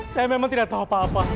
saya memang tidak tahu apa apa